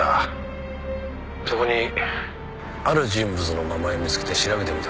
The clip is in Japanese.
そこにある人物の名前を見つけて調べてみた。